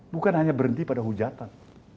bukan hanya berhenti pada hujatan